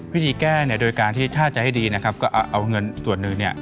วิธีแก้เนี่ยโดยการที่ถ้าจะให้ดีนะครับก็เอาเงินส่วนหนึ่งเนี่ย